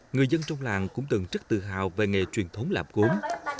người dân trong làng cũng từng rất tự hào về nghề truyền thống làm gốm